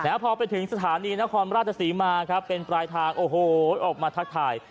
แล้วพอไปถึงสถานีนครราชศรีมาครับเป็นปลายทางโอ้โหออกมาทักทาย